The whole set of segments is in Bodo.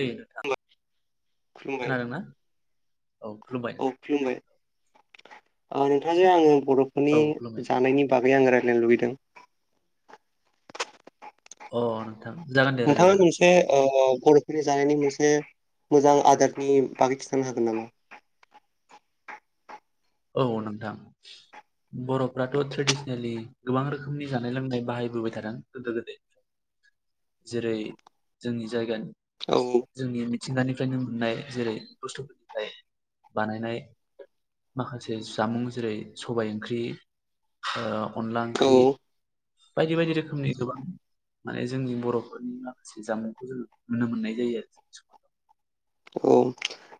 दे नोंथां खुलुमबाय खोनादों ना औ खुलुमबाय खुलुमबाय औ नोंथांजों आंजों आङो बर'फोरनि औ खुलुमबाय जानायनि बागै आं राय नों लुबैदों अ' नो नोंथाङा मोनसे ओ बर'फोरनि जानायनि मोनसे मोजां आदारनि बागै खिथानो हागोन नामा? औ नोंथां बर'फ्राथ' ट्रेडिसनेलि गोबां रोखोमनि जानाय लोंनाय बाहायबोबाय थादों गोदो गोदाय जेरै जोंनि जायगानि औ जोंनि मिथिंगानिफ्रायनो मोननाय जेरै बुस्थुफोरनिफ्राय बानायनाय माखासे जामुं जेरै- सबाय ओंख्रि ओ अनला औ ओंख्रि बायदि - बायदि रोखोमनि गोबां माने जोंनि बर'फोरनि माखासे जामुंखौ जों नुनो मोननाय जायो आरो जोंनि समाजाव औ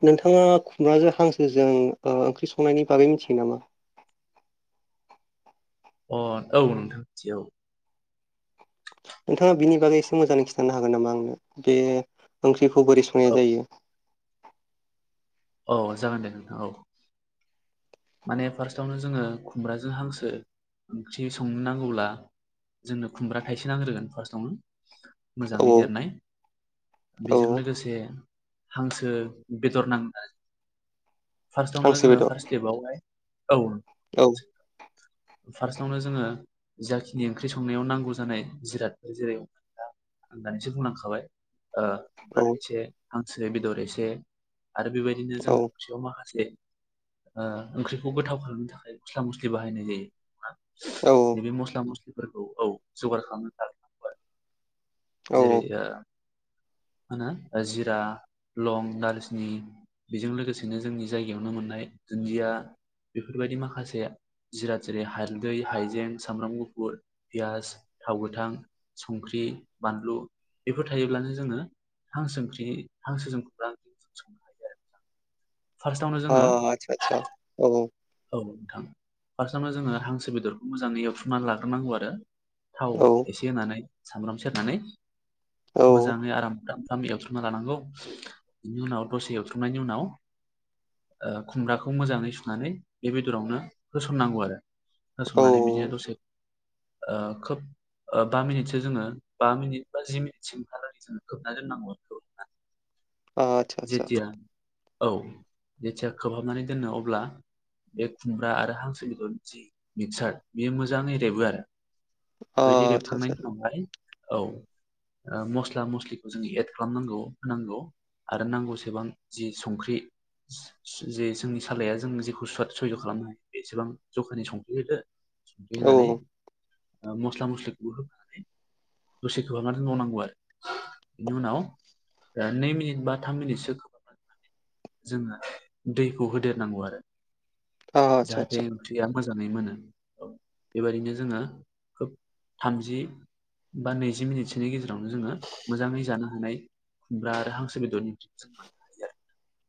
नोंथाङा खुब्राजों हांसोजों ओ ओंख्रि संनायनि बागै मिथिगोन नामा? अ'औ नोंथां मिथियो औ नोंथाङा बिनि बागै एसे मोजाङै खिन्थानो हागोन नामा आंनो बे बेखौ बोरै संनाय औ जायो औ जागोन दे औ नोंथां औ माने फार्स्टआवनो जोङो खुमब्राजों हांसो ओंख्रि संनो नांगौब्ला जोंनो खुमब्रा थाइसे नांग्रोगोन फार्स्टआवनो औ मोजाङै देरनाय बेजों औ लोगोसे हांसो बेदर नांनाय फार्स्ट आवनो हांसो जोङो बेदर फार्स्ट स्टेपावहाय औ औ फार्स्टआवनो जोङो जाखिनि ओंख्रि संनायाव नांगौ जानाय जिरादफोर जेरै आं दानिसो बुंलांखाबाय ओ औ खुमब्रा थाइसे हांसो बेदर एसे आरो बेबा बिनो औ जों [unintelligible] माखासे ओ ओंख्रिखौ गोथाव खालामनो थाखाय मस्ला मस्लि बाहायनाय जायो औ नैबे मस्ला- मस्लि फोरखौ औ जगार खालामना लागग्रोनांगौ आरो औ जेरै ओ। होनो ओ जिरा लं दालसिनि बेजों लोगोसेनो जोंनि जायगायावनो मोननाय दुन्दिया बेफोरबायदि माखासे जिरा जेरै हालदै हायजें सामब्राम गुफुर पियास थाव गोथां संख्रि बानलु बेफोर थायोब्लानो जोङो हांसो ओंख्रि हांसोजों [inaudible] फार्स्टआवनो अ जोङो आच्छा आच्छा औ औ। औ नोंथां फार्स्टआवनो जोङो हांसो बेदरखौ मोजाङै एवफ्रुमनानै लाग्रोनांगौ आरो थाव औ एसे होनानै। सामब्राम सेरनानै औ मोजाङै आराम फ्राम फ्राम एवथ्रमना लानांगौ बेनि उनाव दसे एवथ्रमनायनि उनाव ओ खुमब्राखौ मोजाङै सुनानै बे बेदरावनो होसननांगौ आरो होसननानै औ बिदिनो दसे ओ‌ खोब ओ बा मिनिटसो जोङो बा मिनिट बा जि मिनिटसिम [inaudible] जेथिया औ जेथिया खोबहाबनानै दोनो अब्ला बे खुमब्रा आरो हांसो बिदर जि मिक्सार बेयो मोजाङ रेबो आरो बेबायदि आच्छा, रेबखांनायनि आच्छा। उनावहाय औ ओ मस्ला मस्लिखौ जोङो एड खालामनांगौ होनांगौ। आरो नांगौसेबां जि संख्रि जे जोंनि सालाया जों जेखौ सुवाद सुयज' खालामनो हायो बेसेबां जखानि संख्रि होदो बिदि औ। होनानै ओ मस्ला मस्लिखौ होखानानै दसे खोबहाबना दोनबावनांगौ आरो बेनि उनाव ओ नै मिनिट बा थाम मिनिटसो खोबहाबना दोननानै जोङो दैखौ होदेरनांगौ आरो आच्छा, जाहाथे आच्छा। ओंख्रिया मोजाङै मोनो बेबायदिनो जोङो खोब थामजि बा नैजि मिनिटसोनि गेजेरावनो जोङो मोजाङै जानो हानाय खुमब्रा आरो हांसोनि [inaudible]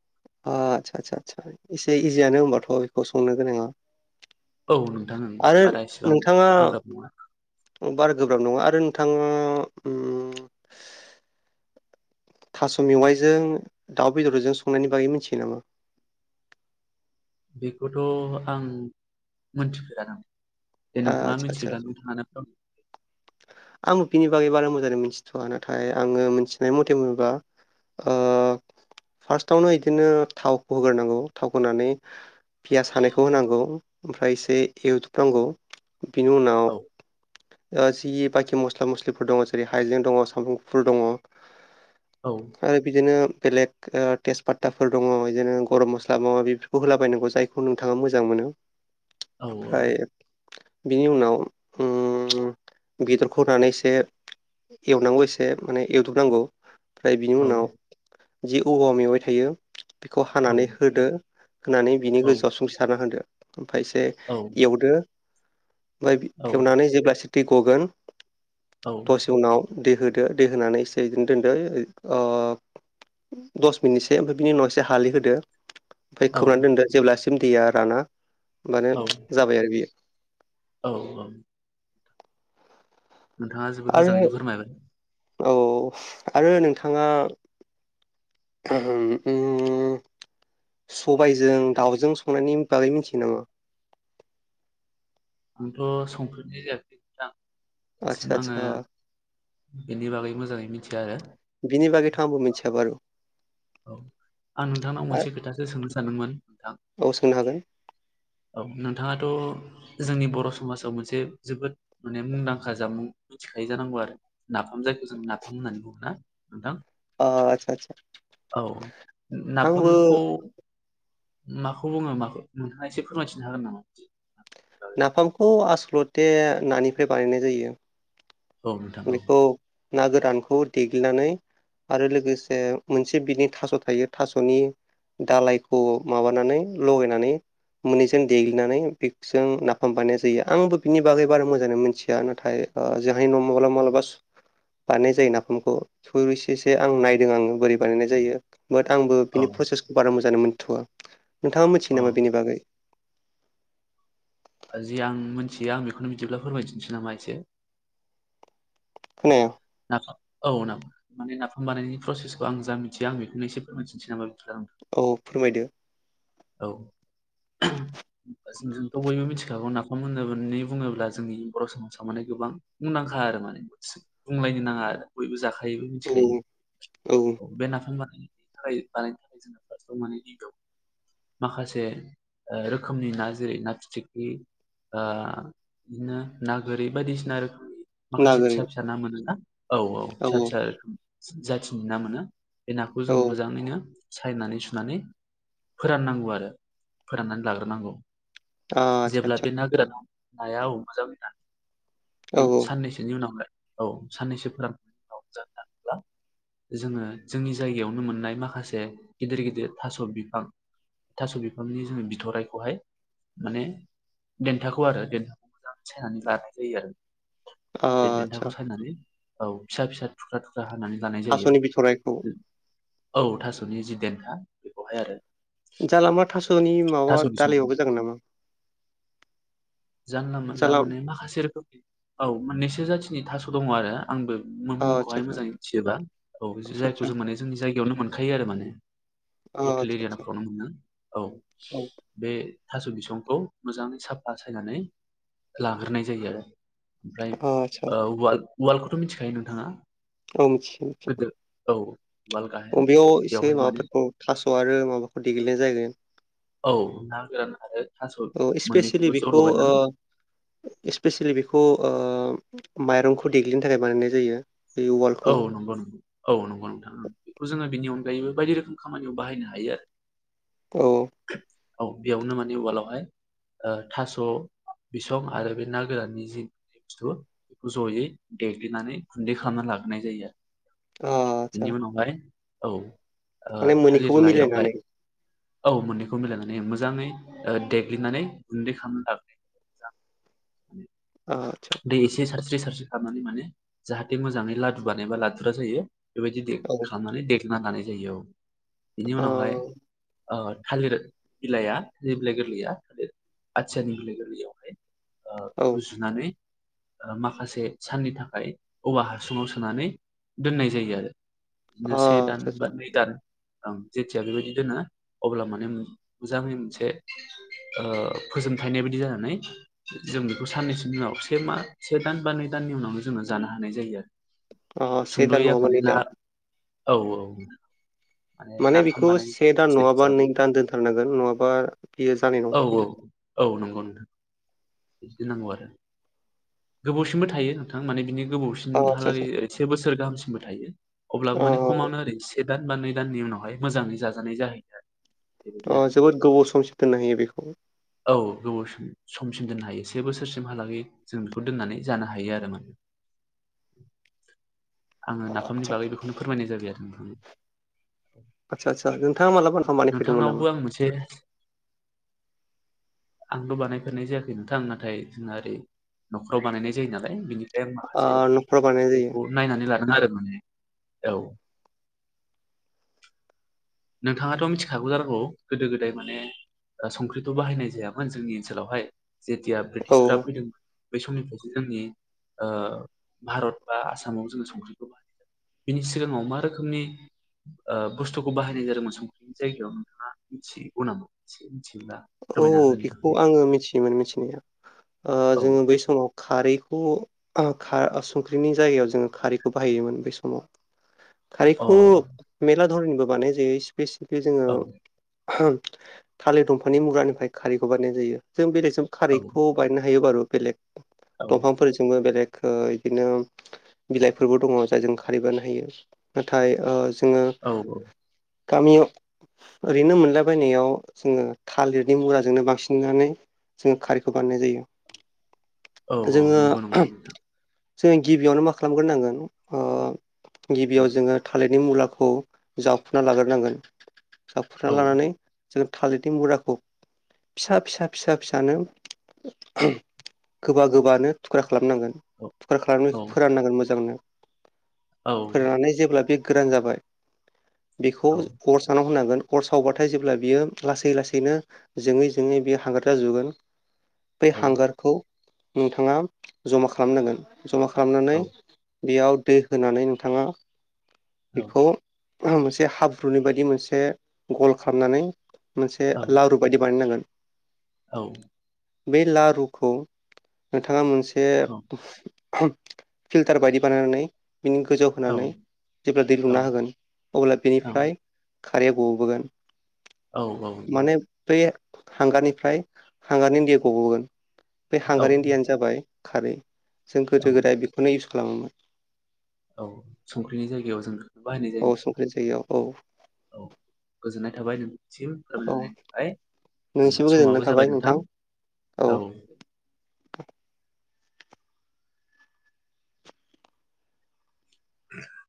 आच्छा आच्छा आच्छा इसे इजियानो होनबाथ' बेखौ संनो गोनाङा। औ नोंथां ओं आरो बारा इसिबां नोंथाङा गोब्राब नङा। बारा गोब्राब नङा आरो नोंथाङा ओम थास' मेवाइजों दाउ बेदरजों संनायनि बागै मिनथियो नामा? बेखौथ' आं मोनथिफेरा ना जे नोंथाङा आच्छा, आच्छा। मिथियोब्ला नोंथाङानो फोरमाय गै बारा मोजांनो मिथिथ'वा नाथाय आङो मोनथिनाय मथे मोनबा ओ फार्स्टआवनो इदिनो थावखौ होगोरनांगौ थाव होनानै पियास हानायखौ होनांगौ ओमफ्राय एसे एवथब नांगौ। बिनि उनाव। औ ओ जि बाखि मस्ला मस्लिफोर दङ जेरै हाइजें दङ सामब्राम गुफुर दङ। औ आरो बिदिनो बेलेग ओ तेजपाताफोर दङ बिदिनो गरम मस्ला मा माबि बेफोरखौ होलाबायनांगौ जायखौ नोंथाङा मोजां मोनो। औ औ ओमफ्राय बिनि उनाव उम बेदरखौ होनानै एसे एवनांगौ एसे माने एवदबनांगौ फ्राय बिनि औ उनाव जि औवा मेवाय थायो बेखौ औ हानानै होदो होनानै बिनि औ गोजौआव संख्रिसारना होदो ओमफ्राय एसे औ एवदो मायबि औ खेवनानै जेब्ला दै गगोन दसे उनाव दै हो दो दै होनानै इसे यिदिनो दोनदो ओ दस मिनिटसो ओमफ्राय बिनि उनाव एसे हालि होदो ओमफ्राय औ खोबानानै दोनदो जेब्ला सिम दैया राना। ओमबानो जाबाय आरो बियो। औ-औ नोंथाङा जोबोद आरो मोजाङैनो फोरमायबाय। औ आरो नोंथाङा उम सबायजों दाउजों संनायनि बागै मिथियो नामा आंथ' संफेरनाय जायाखै नोंथां। दासिम आङो आतसा-आतसा बेनि बागै मोजाङै मिथिया आरो बिनिबागैथ'आंबो मिथिया बारु औ आं नोंथांनाव मोनसे खोथासो सोंनो सानदोंमोन नोंथां। औ सोंनो हागोन औ नोंथाङाथ' जोंनि बर' समाजाव मोनसे जोबोद माने मुंदांखा जामुं मिथिखायो जानांगौ आरो नाफाम जायखौ जों नाफाम होननानै बुङोना नोंथां। ओ आतसा-आतसा औ आंबो नाफामखौ माखौ बुङो माखौ नोंथांआ एसे फोरमायथिनो हागोन नामा। नाफामखौ आसोल मथे नानिफ्राय बानायनाय जायो। औ नोंथां औ बेखौ ना गोरानखौ देग्लिनानै आरो लोगोसे मोनसे बिनि थास' थायो थास'नि दालायखौ माबानानै लगायनानै मोननैजों देग्लिनानै बेजों नाफाम बानायनाय जायो आंबो बिनि बागै बारा मोजाङै मिथिया नाथाय जोंहाय न माब्लाबा-माब्लाबा स बानायनाय जायो नाफामखौ खुरैसेसो आं नायदों आङो बोरै बानायनाय जायो। बाट आंबो औ बिनि प्रसेसखौ बारा मोजां जानो मोनथ'वआ नोंथाङा मिथिगो नामा औ बेनि बागै। जि आं मिथियो आं बेखौनो बिदिब्ला फोरमायथिनसै नामा एसे [unintelligible] औ ना नाफाम बानायनायनि प्रसेसखौ आं जा मिथियो आं बेखौनो एसे फोरमायथिना होबाय औ फोरमायदो औ जोंथ' बयबो मिथिखागौ नाफाम होननानै बुङोब्ला जोंनि बर' समाजाव माने गोबां मुंदांखा आरो माने बुंलायनो नाङा आरो बयबो जाखायो थायोबो मिथिखायो औ औ बे नाफाम बानायनो थाखाय जोंङो फार्सटाव माने [unintelligible] माखासे ओ रोखोमनि ना जेरै ना फिथिख्रि ओ बिदिनो ना गोरि बायदिसिना रोखोमनि माखासे नागोरै फिसा फिसा ना मोनो [unintelligible] औ औ फिसा फिसा जाथिनि ना मोनो बे नाखौ जोंङो औ मोजाङैनो सायनानै सुनानै फोराननांगौ आरो फोराननानै लाग्रोनांगौ आदसा जेब्ला आदसा बे ना गोराना नाया औ मोजां ना? औ साननैसोनि उनावहाय औ साननैसो फोरामनायनि उनाव मोजाङै रानोब्ला जोङो जोंनि जायगायावनो मोननाय माखासे गिदिर गिदिर थास' बिफां थास' बिफांनि जोङो बिथराइखौहाय माने देन्थाखौ आरो देन्थाखौ मोजां सायनानै लानाय जायो आरो बे आदसा देन्थाखौ सायनानै औ फिसा फिसा थुख्रा थुख्रा हानानै लानाय जायो थास'नि बिथरायखौ औ थास'नि जि देेन्था बेखौहाय आरो सनि माबा थास'नि [unintelligible] होजागोन नामा? जानला मोनला जाला माने माखासे रोखोमनि औ मोननैसो जाथिनि थास' दङ आरो आंबो आदसा मुंखौहाय मोजाङै मिथिजोबा औ जायखौ आदसा आदसा जों माने जोंनि जायगायावनो मोनखायो आरो माने लकेल आदसा आदसा एरियाफ्रावनो मोनो औ औ [inaudible] बे थास' बिसंखौ मोजाङै साफा सायनानै लाग्रोनाय जायो आरो [inaudible] ओमफ्राय आदसा ओ उवाल उवालखौथ' मिनथिखायो नोंथाङा? औ मिथियो मिथियो गोदो औ उवाल गाहेन ओ बेयाव एसे बेवहाय माने माबाफोरखौ थास' आरो माबाफोर देग्लिनाय जायगोन औ ना गोरान आरो थास' औ इस्पेसियेलि मोननैखौबो ज' बेखौ ओ लगायनानै इस्पेसियेलि बेखौ ओ माइरंखौ देग्लिनो थाखाय बानायनाय जायो। बे उवालखौ औ नंगौ नोंथां औ नंगौ नोंथां बेखौ जोङो बिनि अन अनगायैबो बायदि रोखोम खामानियाव बाहायनो हायो आरो। औ औ बेयावनो माने उवालावहाय ओ थास' बिसं आरो बे ना गोराननि जि बुस्थु बेखौ जयै देग्लिनानै गुन्दै खालामना लागोन नाय जायो आरो आदसा बिनि उनावहाय औ माने थालिर मोन्नैखौबो लायावहाय मिलायनानै औ मोननैखौ मिलायनानै मोजाङै ओ देग्लिनानै गुन्दै खालामना [unintelligible] आदसा दै एसे सारस्रि सारस्रि खालामनानै माने जाहाथे मोजाङै लादु बानायबा लादुरा जायो। बेबायदि दे खालामनानै देग्लि लानानै जायो औ बेनि औ उनावहाय ओ थालिर बिलाया बे गोरलै बिलाइ गोरलैया बे आथियानि बिलाइ गोरलैयावहाय ओ औ बेखौ जुनानै ओ माखासे साननि थाखाय औवा हासुङाव सोनानै दोननाय जायो आरो बिदिनो से दान बा आदसा नै दान ओं जेथिया बेबायदि दोनो अब्ला माने मोजाङै मोनसे ओ फोजोमथायनाय बायदि जानानै जों बेखौ साननैसोनि उनाव से मा से दान बा नै दाननि उनावहाय जोङो जानो हानाय जायो आरो अ से दान सुंद'यै आं नङा बा माने नै ना दान औ औ माने नाफाम बेखौ बानायनाय से दान प्रसेस नङाबा हिसाबै नै दान दोनथारनांगोन नङाबा बियो जानाय औ नङा। औ औ नंगौ नोंथां बिदि नांगौ आरो गोबावसिमबो थायो नोंथां माने बिनि आदसा आदसा गोबावसिमहालागै से बोसोर गाहामसिनबो थायो। अब्ला अ माने खमावनो आरो एसे दान बा नै दाननि उनावहाय मोजाङै जाजानाय जाहैयो। बेबायदि अ आरो जोबोद गोबाव समसो दोननो हायो बेखौ औ गोबाव समसिम दोननो हायो से बोसोरसिमहालागै जों बेखौ दोननानै जानो हायो आरो माने। आङो नाफामनि आदसा बागै बेखौनो फोरमायनाय जाबाय आरो नोंथां। आदसा आदसा नोंथाङा मालाबा खामानि फैदोंमोन नोंथांनावबो नामा? आं मोनसे आंथ' बानायफेरनाय जायाखै नोंथां नाथाय जोंना ओरै न'खराव बानायनाय जायो नालाय, बिनि एम ओ माहाचे न'खराव बानायनाय जायो बेखौ नायनानै ला दों आरो माने औ। नोंथाङाथ' मिथिखागौ जानांगौ गोदो गोदाय माने संख्रिथ' बाहायनाय जायामोन जोंनि ओनसोलावहाय। जेथिया औ ब्रिटिसफ्रा फैदोंमोन बै समनिफ्रायसो जोंनि ओ भारत बा आसामाव जोङो संख्रिखौ [inaudible] बिनि सिगाङाव मा रोखोमनि ओ बुस्थुखौ बाहायनाय जादोंमोन संख्रिनि जायगायाव नोंथाङा मिथिगौ नामा? मिथियोब्ला औ फोरमायना औ होनो बेखौ थाखाय आङो मिथियोमोन मिथिनाया। ओ औ जोङो बै समाव खारैखौ ओ खा ओ संख्रिनि जायगायाव जोङो खारैखौ बाहायोमोन बेै समाव। अ खारैखौ मेला धर'ननिबो बानाय जायो। बेसिकयै जोङो औ थाले दं फानि मुरानिफ्राय खारैखौ बानाय जायो। जों बेलेगजों औ खारैखौ बायनो हायो बारु। बेलेग औ दंफांफोरजोंबो बेलेग खो इदिनो बिलाइफोरबो दङ जायजों खारै बानायनो हायो। नाथाय जों औ औ। गामियाव ओरैनो मोनलाबायनायाव जोङो थालिरनि मुराजोंनो बांसिननानै जोङो खारैखौ बानायनाय जायो। औ औ जोङो नंगौ नंगौ नोंथां। जोङो गिबियावनो मा खालामग्रोनांगोन, ओ औ गिबियाव जोङो थालेद नि मुलाखौ जावखुना लागोरनांगोन। जावखुना औ लानानै जों थालि तिमुराखौ फिसा फिसा फिसानो गोबा गोबानो थुख्रा खालामनांगोन। थुख्रा औ खालामनायखौ फोराननांगोन मोजांनो। औ फोराननानै जेब्ला बे गोरान जाबाय। बेखौ औ अर सानाव होनांगोन। अर सावबाथाय जेब्ला बियो लासै लासैनो जोङै जोङै बे हांगार जाजोबगोन बै औ हांगारखौ नोंथाङा जमा खालामनांगोन। जमा औ खालामनानै, बेयाव दै होनानै नोंथाङा, बेखौ औ मोनसे हाब्रुनि बायदि मोनसे गल खालामनानै, मोनसे लारु बायदि बानायनांगोन। औ बे लारुखौ नोंथाङा मोनसे, बे फिल्टार बायदि बानायनानै, बिनि गोजौ होनानै जेब्ला दै लुना होगोन अब्ला बेनिफ्राय, खारैया गबोगोन। औ माने बे हांगारनिफ्राय हांगारनि दैया गबोगोन। बे औ हांगारनि दैयानो जाबाय, खारै जों औ गोदो गोदाय बेखौनो [unintelligible] खालामोमोन। औ संख्रिनि जायगायाव जों बाहायनाय जायो औ संख्रि नोंथां जायो औ। औ औ गोजोननाय थाबाय नों सिम औ फोरमायनायनि थाखाय नोंसिमबो गोजोननाय समाबो थाबाय जाबाय नोंथां औ